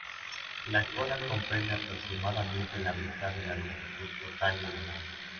La cola comprende aproximadamente la mitad de la longitud total del animal.